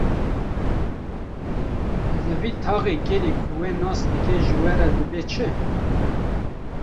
Li vî taxê gelê ku we nas dike ji we re dibê çi?